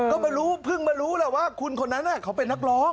ก็มารู้เพิ่งมารู้แหละว่าคุณคนนั้นเขาเป็นนักร้อง